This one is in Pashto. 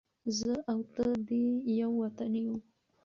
زه او ته دې ېو وطن ېو